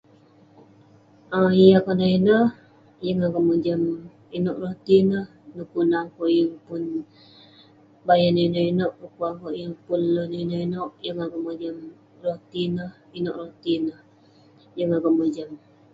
Yeng akuek mojam ineuk rotie neh gunah yeng pun bayan ineuk-ineuk akuek yeng akuek mojam inuek rotie neh ineuk rotie neh yeng akuek mojam